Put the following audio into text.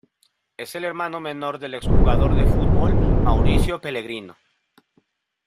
Es el hermano menor del ex jugador de fútbol Mauricio Pellegrino.